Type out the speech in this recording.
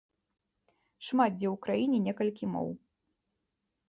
Шмат дзе ў краіне некалькі моў.